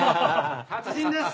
達人です！